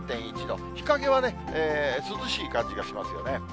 日陰は涼しい感じがしますよね。